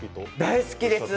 大好きです。